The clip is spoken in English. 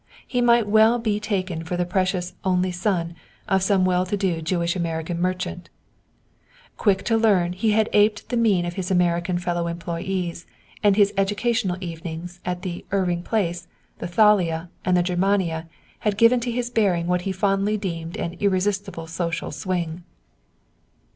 He might well be taken for the precious "only son" of some well to do Jewish American merchant. Quick to learn, he had aped the mien of his American fellow employees, and his "educational evenings" at the "Irving Place," the "Thalia," and the "Germania" had given to his bearing what he fondly deemed an "irresistible social swing."